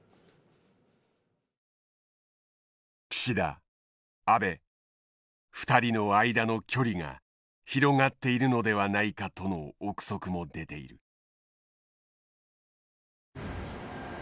岸田安倍２人の間の距離が広がっているのではないかとの臆測も出ている。